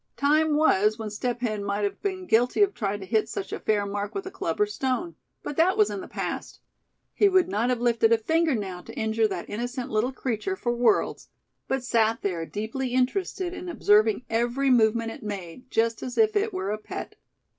Time was when Step Hen might have been guilty of trying to hit such a fair mark with a club or a stone; but that was in the past. He would not have lifted a finger now to injure that innocent little creature for worlds; but sat there, deeply interested in observing every movement it made, just as if it were a pet.